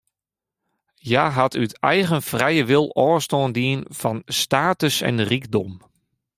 Hja hat út eigen frije wil ôfstân dien fan status en rykdom.